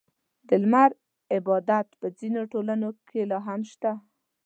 • د لمر عبادت په ځینو ټولنو کې لا هم شته.